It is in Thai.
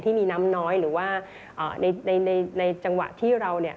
ที่มีน้ำน้อยหรือว่าในจังหวะที่เรา